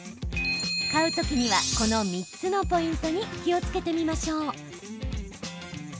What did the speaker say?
買うときにはこの３つのポイントに気をつけてみましょう。